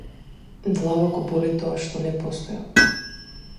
Длабоко боли тоа што не постојам.